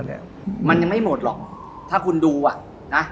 เนี้ยมันยังไม่หมดหรอกถ้าคุณดูอะน่ะต่อเนื้อ